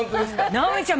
直美ちゃん